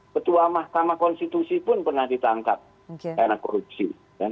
ketua mahkamah konstitusi pun pernah ditangkap karena korupsi